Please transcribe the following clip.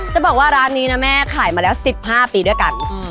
จะบอกว่าร้านนี้นะแม่ขายมาแล้ว๑๕ปีด้วยกัน